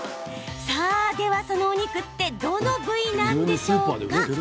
さあ、ではそのお肉ってどの部位なんでしょうか？